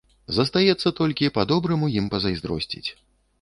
Застаецца толькі па-добраму ім пазайздросціць.